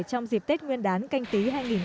trong dịp tết nguyên đán canh tí hai nghìn hai mươi